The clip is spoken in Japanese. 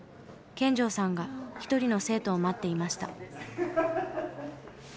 見城さんが一人の生徒を待っていました。